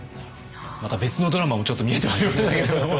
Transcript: また別のドラマもちょっと見えてまいりましたけれども。